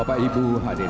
dan untuk diperhatikan